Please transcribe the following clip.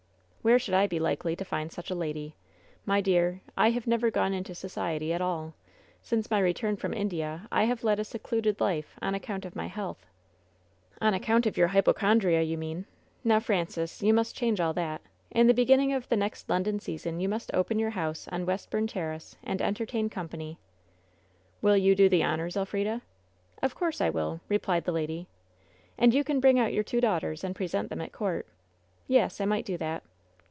"Where should I be likely to find such a lady? My dear, I have never gone into society at all. Since my return from India I have led a secluded life, on account of my health." "On account of your hypochondria, you mean! Now, Francis, you must change all that. In the beginning of the next London season you must open your house on West bourne Terrace, and entertain company." "Will you do the honors, Elf rida ?" "Of course I will," replied the lady. "And you can bring out your two daughters, and pre sent them at court." "Yes, I might do that."